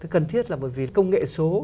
cần thiết là bởi vì công nghệ số